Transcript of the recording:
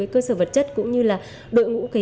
cơ sở vật chất cũng như là đội ngũ